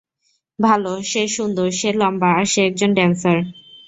ভাল, সে সুন্দর, সে লম্বা আর সে একজন ড্যান্সার।